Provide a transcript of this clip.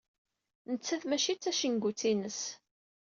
Nettat mačči d tacengut-ines.